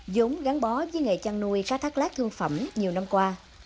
dũng gắn bó với nghề chăn nuôi cá thác lát thương phẩm nhiều năm qua